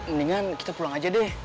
mendingan kita pulang aja deh